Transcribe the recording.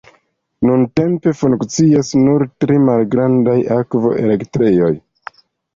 Nuntempe funkcias nur tri malgrandaj akvo-elektrejoj.